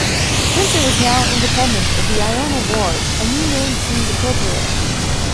Since it was now independent of the Iona Ward, a new name seemed appropriate.